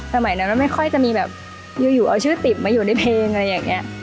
สมัยนั้นไม่ค่อยจะมีแบบอยู่เอาชื่อติดมาอยู่ในเพลงอะไรอย่างนี้